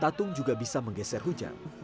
tatung juga bisa menggeser hujan